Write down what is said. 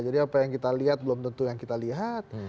jadi apa yang kita lihat belum tentu yang kita lihat